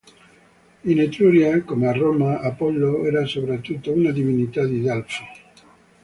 In Etruria, come a Roma, Apollo era soprattutto una divinità di Delfi.